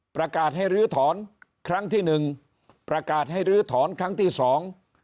ประกาศให้ลื้อถอนครั้งที่หนึ่งประกาศให้ลื้อถอนครั้งที่สอง